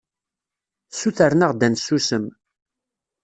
Ssutren-aɣ-d ad nsusem.